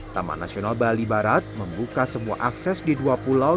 taman nasional bali barat membuka semua akses di dua pulau